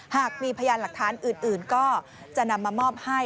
หากมีพยานหลักฐานอื่นก็จะนำมามอบให้